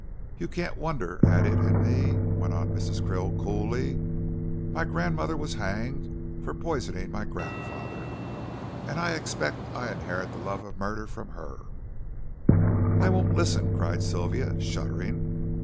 You can't wonder at it in me," went on Miss Krill, coolly; "my grandmother was hanged for poisoning my grandfather, and I expect I inherit the love of murder from her " "I won't listen," cried Sylvia, shuddering.